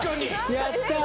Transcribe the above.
やったー！